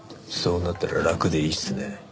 そうなったら楽でいいっすね。